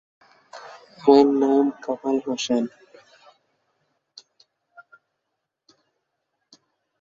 এসব ভাজক-কলার বাইরের স্তরের কোষগুলি পাতার উপরিভাগ আর কিনারা নির্মানের জন্যে দায়ী, আর ভেতরের দিকের কোষ পাতার বাকি অংশের জন্যে।